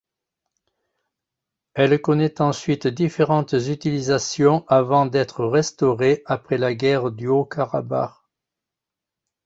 Elle connaît ensuite différentes utilisations avant d'être restaurée après la guerre du Haut-Karabagh.